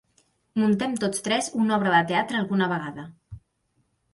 Muntem tots tres una obra de teatre alguna vegada.